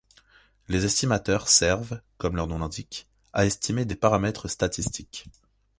Les estimateurs servent, comme leur nom l'indique, à estimer des paramètres statistiques.